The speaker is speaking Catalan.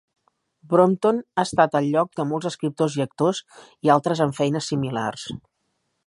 Brompton ha estat el lloc de molts escriptors i actors, i altres amb feines similars.